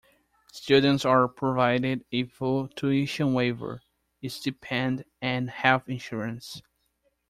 Students are provided a full tuition waiver, a stipend, and health insurance.